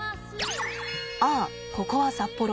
ああここは札幌。